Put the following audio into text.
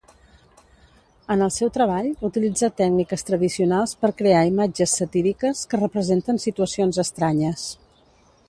En el seu treball, utilitza tècniques tradicionals per crear imatges satíriques que representen situacions estranyes.